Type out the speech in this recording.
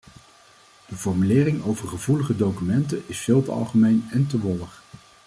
De formulering over gevoelige documenten is veel te algemeen en te wollig.